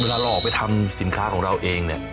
เราออกไปทำสินค้าของเราเองเนี่ย